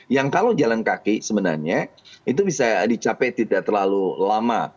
yang kalau jalan kaki sebenarnya itu bisa dicapai tidak terlalu lama